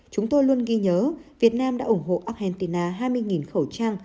chúng tôi luôn ghi nhớ việt nam đã ủng hộ argentina hai mươi khẩu trang